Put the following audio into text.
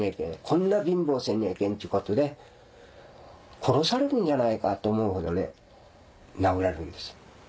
こんな貧乏せにゃいけんちゅうことで殺されるんじゃないかと思うほどね殴られるんですよ。